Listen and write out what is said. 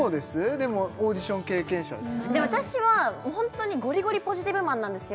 でもオーディション経験者ですもんねで私は本当にゴリゴリポジティブマンなんですよ